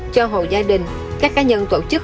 cho hồ gia đình các cá nhân tổ chức